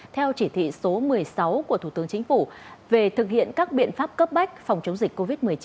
theo chỉ thị số một mươi sáu của thủ tướng chính phủ về thực hiện các biện pháp cấp bách phòng chống dịch covid một mươi chín